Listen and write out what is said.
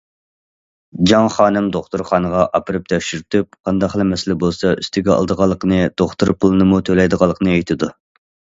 جاڭ خانىم دوختۇرخانىغا ئاپىرىپ تەكشۈرتۈپ، قانداقلا مەسىلە بولسا ئۈستىگە ئالدىغانلىقىنى، دوختۇر پۇلىنىمۇ تۆلەيدىغانلىقىنى ئېيتىدۇ.